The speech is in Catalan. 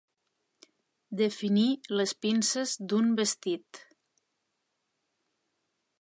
Definir les pinces d'un vestit.